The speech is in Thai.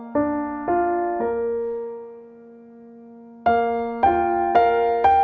มันเป็นเรื่องที่